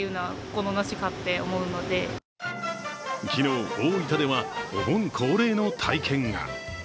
昨日、大分ではお盆恒例の体験が。